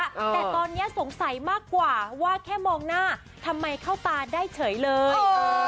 แต่ตอนนี้สงสัยมากกว่าว่าแค่มองหน้าทำไมเข้าตาได้เฉยเลย